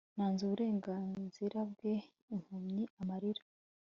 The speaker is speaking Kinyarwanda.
Nanze uburenganzira bwe impumyi amarira